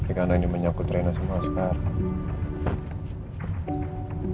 tapi karena ini menyangkut rena semua sekarang